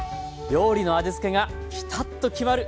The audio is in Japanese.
料理の味付けがピタッと決まる！